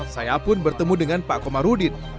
saya pun bertemu dengan pak komarudin